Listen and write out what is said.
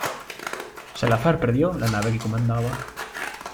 Salazar perdió la nave que comandaba.